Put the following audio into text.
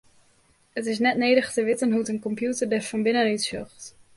It is net nedich te witten hoe't in kompjûter der fan binnen útsjocht.